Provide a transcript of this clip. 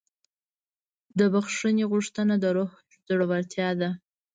د بښنې غوښتنه د روح زړورتیا ده.